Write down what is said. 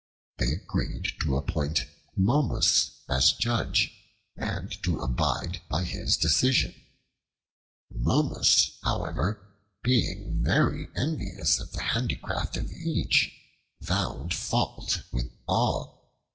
They agreed to appoint Momus as judge, and to abide by his decision. Momus, however, being very envious of the handicraft of each, found fault with all.